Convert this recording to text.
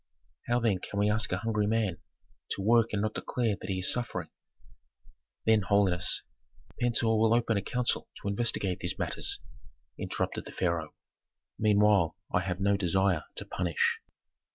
How, then, can we ask a hungry man to work and not declare that he is suffering?" "Then, holiness " "Pentuer will open a council to investigate these matters," interrupted the pharaoh. "Meanwhile I have no desire to punish."